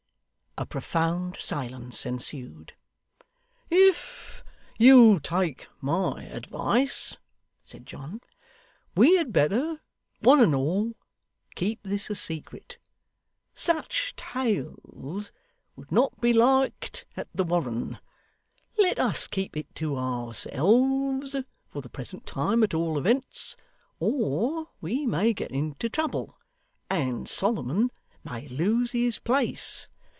A profound silence ensued. 'If you'll take my advice,' said John, 'we had better, one and all, keep this a secret. Such tales would not be liked at the Warren. Let us keep it to ourselves for the present time at all events, or we may get into trouble, and Solomon may lose his place.